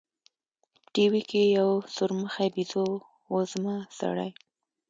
په ټي وي کښې يو سورمخى بيزو وزمه سړى.